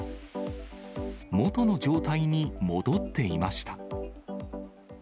元の状態に戻っていました。